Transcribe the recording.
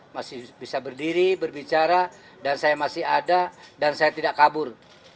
masih bisa berdiri berbicara dan saya masih ada dan saya tidak kabur